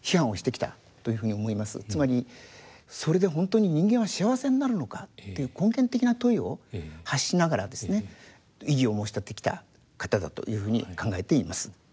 つまりそれで本当に人間は幸せになるのかっていう根源的な問いを発しながらですね異議を申し立ててきた方だというふうに考えています。